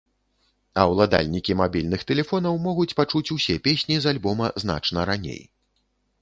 А ўладальнікі мабільных тэлефонаў могуць пачуць усе песні з альбома значна раней.